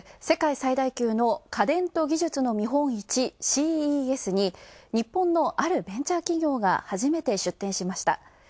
世界最大の家電と技術の見本市・ＣＥＳに日本のあるベンチャー企業が初めて出展しました。